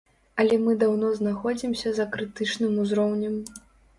Але мы даўно знаходзімся за крытычным узроўнем.